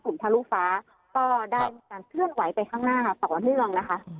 กลุ่มชาติลูกฟ้าก็ได้มีการเคลื่อนไหวไปข้างหน้าต่อเรื่อง